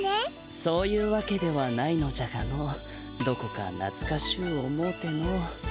そういうわけではないのじゃがのどこかなつかしゅう思うての。